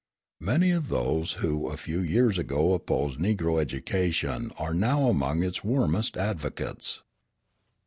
Many of those who a few years ago opposed Negro education are now among its warmest advocates.